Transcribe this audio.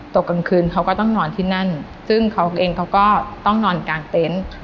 กลางคืนเขาก็ต้องนอนที่นั่นซึ่งเขาเองเขาก็ต้องนอนกลางเต็นต์